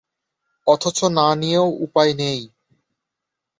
অথচ না নিয়েও উপায় নেই।